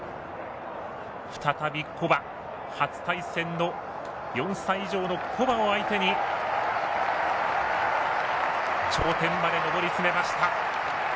再び古馬、初対戦の４歳以上の古馬を相手に頂点まで上り詰めました。